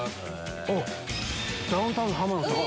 あっダウンタウンの浜田さん